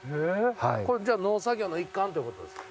これじゃあ農作業の一環ってことですか？